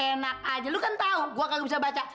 enak aja lu kan tau gua kagak bisa baca